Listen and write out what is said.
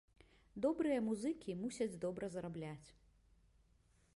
Добрыя музыкі мусяць добра зарабляць.